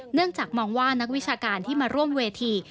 เนื่องจากมองว่านักวิชาการที่มาร่วมเวที